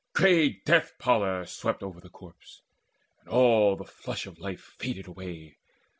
Grey death pallor swept Over the corpse, and all the flush of life Faded away.